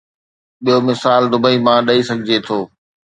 ٻيو مثال دبئي مان ڏئي سگهجي ٿو.